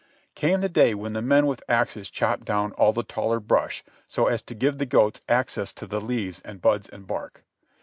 Came the day when the men with axes chopped down all the taller brush so as to give the goats access to the leaves and buds and bark.